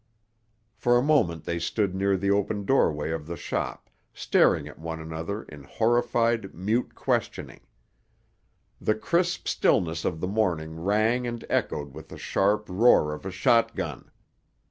For a moment they stood near the open doorway of the shop staring at one another in horrified, mute questioning. The crisp stillness of the morning rang and echoed with the sharp roar of a shotgun.